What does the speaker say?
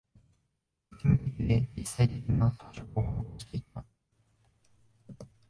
実務的で、実際的な、装飾を施していった